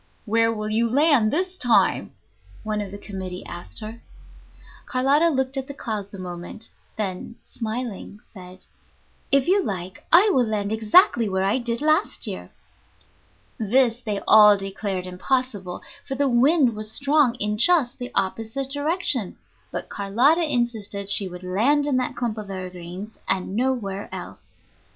"Where will you land this time?" one of the committee asked her. Carlotta looked at the clouds a moment, then, smiling, said, "If you like, I will land exactly where I did last year." This they all declared impossible, for the wind was strong in just the opposite direction; but Carlotta insisted she would land in that clump of evergreens and nowhere else.